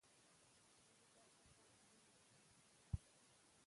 زړه مې داسې ستا غمونه دى نيولى.